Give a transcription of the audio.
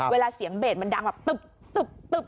เวลาเสียงเบสมันดังแบบตึ๊บ